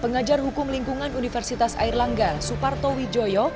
pengajar hukum lingkungan universitas air langgar suparto wijoyo